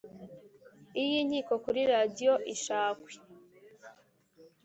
iyi nkiko kuri radio ishakwe.